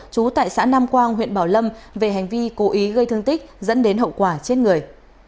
chú tại xã nam quang huyện bảo lâm về hành vi cố ý gây thương tích dẫn đến hậu quả chết người